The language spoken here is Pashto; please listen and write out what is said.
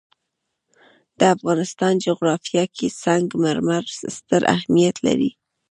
د افغانستان جغرافیه کې سنگ مرمر ستر اهمیت لري.